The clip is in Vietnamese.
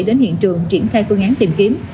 đến hiện trường triển khai cơ ngán tìm kiếm